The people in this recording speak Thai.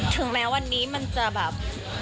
ถึงแม้วันนี้มันจะแบบ